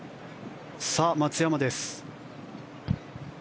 松山です。